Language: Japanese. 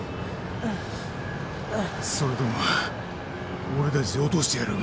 それとも俺たちで落としてやろうか？